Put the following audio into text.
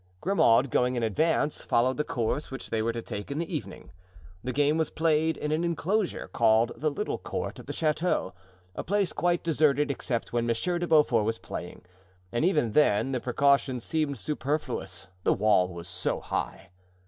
Grimaud, going in advance, followed the course which they were to take in the evening. The game was played in an inclosure called the little court of the chateau, a place quite deserted except when Monsieur de Beaufort was playing; and even then the precaution seemed superfluous, the wall was so high.